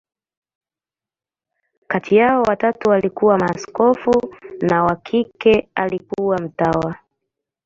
Kati yao, watatu walikuwa maaskofu, na wa kike alikuwa mtawa.